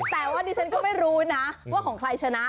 แต่ว่าดิฉันก็ไม่รู้นะว่าของใครชนะ